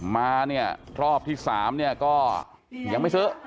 มารอบที่๓นี่ก็ยังไม่ซื้อ